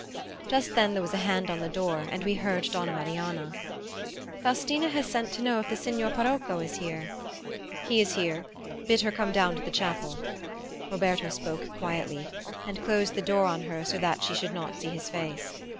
Just then there was a hand on the door and we heard Donna Marianna. "Faustina has sent to know if the signar parocco is here." "He is here. Bid her come down to the chapel." Roberto spoke quietly, and closed the door on her so that she should not see his face.